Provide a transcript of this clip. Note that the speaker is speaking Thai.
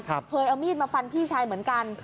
เคยเอามีดมาฟันพี่ชายเหมือนกัน